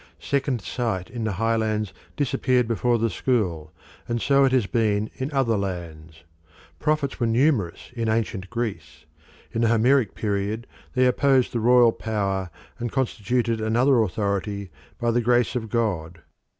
Second sight in the Highlands disappeared before the school, and so it has been in other lands. Prophets were numerous in ancient Greece. In the Homeric period they opposed the royal power and constituted another authority by the grace of God.